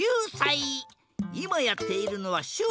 いまやっているのはしゅわ。